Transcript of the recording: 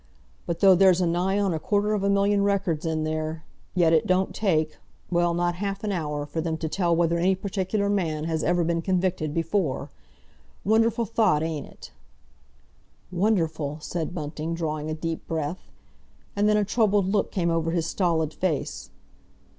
But though there's nigh on a quarter of a million records in there, yet it don't take—well, not half an hour, for them to tell whether any particular man has ever been convicted before! Wonderful thought, ain't it?" "Wonderful!" said Bunting, drawing a deep breath. And then a troubled look came over his stolid face.